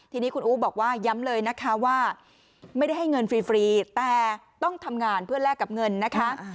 ทีนี้คุณอู๋บอกว่าย้ำเลยนะคะว่าไม่ได้ให้เงินฟรีแต่ต้องทำงานเพื่อแลกกับเงินนะคะ